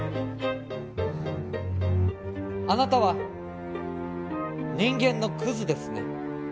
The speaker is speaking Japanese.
あなたは人間のクズですね